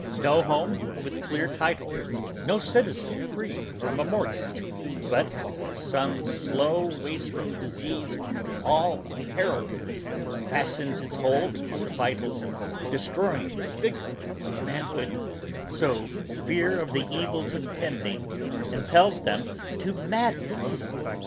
No home with clear title, no citizen free from a mortgage, But as some slow wasting disease all unheralded fastens Its hold on the vitals, destroying the vigor of manhood, So, fear of the evils impending, impels them to madness.